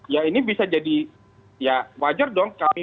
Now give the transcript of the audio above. ya ini bisa jadi ya wajar dong